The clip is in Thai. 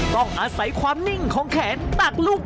ต้องอาศัยความนิ่งของแขนตักลูก